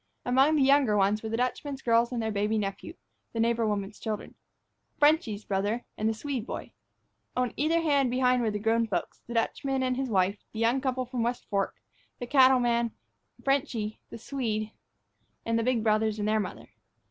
Among the younger ones were the Dutchman's girls and their baby nephew, the neighbor woman's children. "Frenchy's" brother, and the Swede boy. On either hand and behind were the grown people, the Dutchman and his wife, the young couple from the West Fork, the cattleman, "Frenchy," the Swede, and the big brothers and their mother.